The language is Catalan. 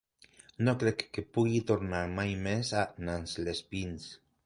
No crec que pugui tornar mai més a Nans-les-Pins.